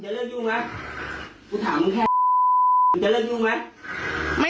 ช่งกันเลยนะ